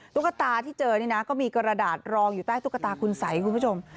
ตุ๊กตาที่เจอนี่นะก็มีกระดาษรองอยู่ใต้ตุ๊กตาคุณสัยคุณผู้ชม